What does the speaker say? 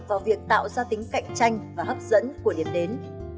vào việc tạo ra tính cạnh tranh và hấp dẫn của điểm đến